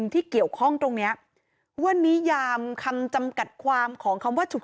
ที่เกี่ยวข้องตรงนี้วันนี้ยามคำจำกัดความของคำว่าฉุก